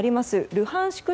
ルハンシク